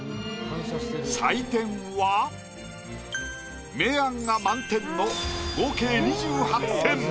採点は明暗が満点の合計２８点。